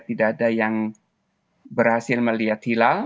tidak ada yang berhasil melihat hilal